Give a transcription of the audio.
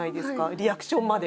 リアクションまで。